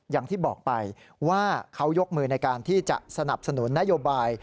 อย่างที่บอกไปว่าเขายกมือในการที่จะสนับสนุนนโยบาย